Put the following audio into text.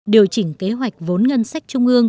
điều chỉnh kế hoạch vốn ngân sách trung ương